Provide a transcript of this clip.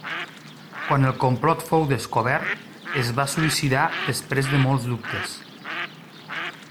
Quan el complot fou descobert es va suïcidar després de molts dubtes.